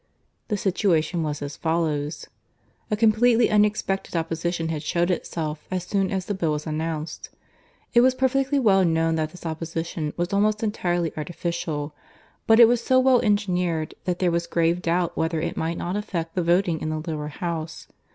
The situation was as follows: A completely unexpected opposition had showed itself as soon as the Bill was announced. It was perfectly well known that this opposition was almost entirely artificial; but it was so well engineered that there was grave doubt whether it might not affect the voting in the Lower House.